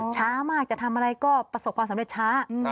ช้ามากจะทำอะไรก็ประสบความสำเร็จช้า